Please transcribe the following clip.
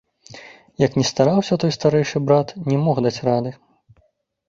Як ні стараўся той старэйшы брат, не мог даць рады.